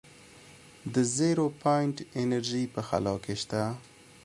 د زیرو پاینټ انرژي په خلا کې شته.